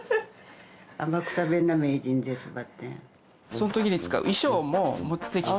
そんときに使う衣装も持ってきて。